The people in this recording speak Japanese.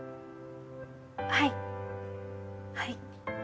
はいはい。